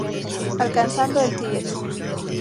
Alcanzando el Tíbet.